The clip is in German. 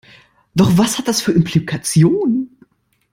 Doch was hat das für Implikationen?